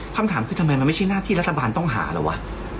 คำถามคือทำไมมันไม่ใช่หน้าที่รัฐบาลต้องหาแล้ววะ